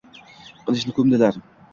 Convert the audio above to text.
Qilichini ko’mdilar.